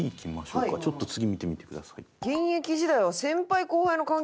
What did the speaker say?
ちょっと次見てみてください。